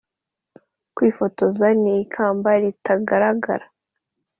kwifotoza ni ikamba ritagaragara.